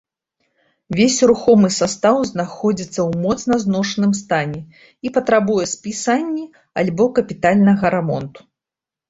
Весь рухомы састаў знаходзіцца ў моцна зношаным стане і патрабуе спісанні альбо капітальнага рамонту.